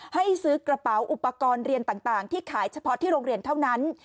ให้ซื้อกระเป๋าอุปกรณ์เรียนต่างที่ขายเฉพาะที่โรงเรียนเท่านั้น